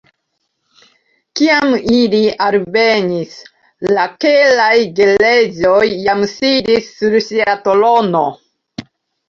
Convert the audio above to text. Kiam ili alvenis, la Keraj Gereĝoj jam sidis sur sia trono.